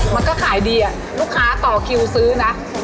มันก็ขายดีลูกค้าต่อคิวซื้อนะ